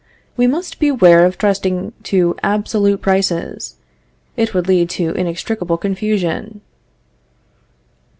We must beware of trusting to absolute prices, it would lead to inextricable confusion.